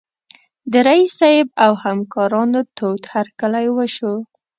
د رییس صیب او همکارانو تود هرکلی وشو.